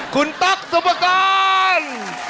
คุณต๊อกสุปกรณ์